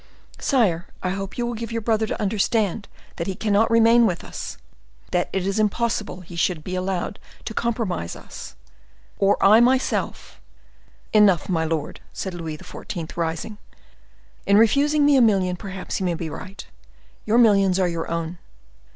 Sire, I hope you will give your brother to understand that he cannot remain with us; that it is impossible he should be allowed to compromise us; or I myself—" "Enough, my lord," said Louis XIV., rising. "In refusing me a million, perhaps you may be right; your millions are your own.